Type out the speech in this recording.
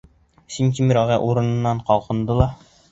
Сынтимер ағай урынынан ҡалҡынды ла: